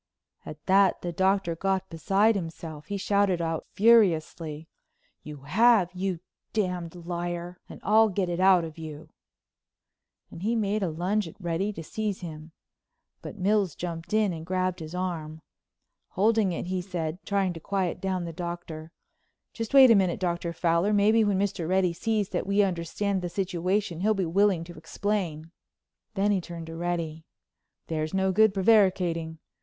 At that the Doctor got beside himself. He shouted out furiously: "You have, you d——d liar, and I'll get it out of you," and he made a lunge at Reddy to seize him. But Mills jumped in and grabbed his arm. Holding it he said, trying to quiet down the Doctor: "Just wait a minute, Dr. Fowler. Maybe when Mr. Reddy sees that we understand the situation, he'll be willing to explain." Then he turned to Reddy: "There's no good prevaricating.